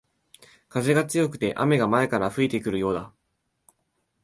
風が強くて雨が前から吹いてくるようだ